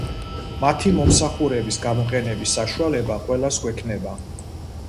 მათი მომსახურების გამოყენების საშუალება ყველას გვექნება.